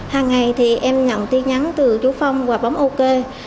hàng ngày thì em nhận tin nhắn từ chú phong và bấm ok